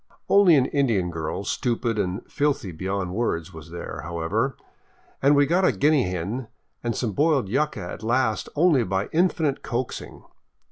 Only an Indian girl, stupid and filthy beyond words, was there, however, and we got a guinea hen and some boiled yuca at last only by infinite •oaxing.